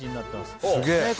すげえ